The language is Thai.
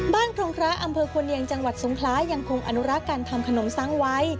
บ้านครองคร้าอำเภอคนเนียงจังหวัดสงคร้ายังคงอนุราการทำขนมซ้ำไว้